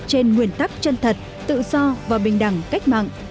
trên nguyên tắc chân thật tự do và bình đẳng cách mạng